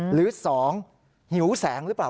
หรือ๒หิวแสงหรือเปล่า